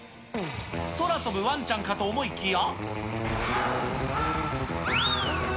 空飛ぶワンちゃんかと思いきや。